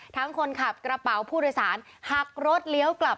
คนขับกระเป๋าผู้โดยสารหักรถเลี้ยวกลับ